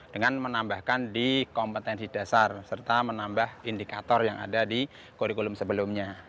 dengan menambahkan di kompetensi dasar serta menambah indikator yang ada di kurikulum sebelumnya